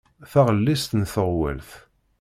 Taɣellist n teɣwelt.